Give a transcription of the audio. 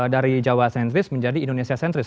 dari jawa centris menjadi indonesia centris